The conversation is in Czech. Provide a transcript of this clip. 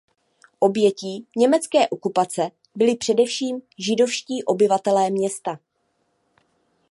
Obětí německé okupace byli především židovští obyvatelé města.